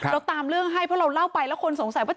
เราตามเรื่องให้เพราะเราเล่าไปแล้วคนสงสัยว่า